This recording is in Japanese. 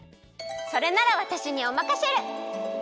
それならわたしにおまかシェル。